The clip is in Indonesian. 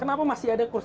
kenapa masih ada kondisi